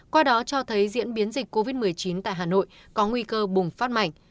qua đó cho thấy diễn biến dịch covid một mươi chín tại hà nội có nguy cơ bùng phát mạnh